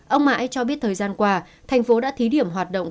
ông mãi cho biết thời gian qua thành phố đã thí điểm hoạt động